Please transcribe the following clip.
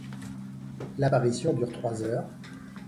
L'apparition dure trois heures.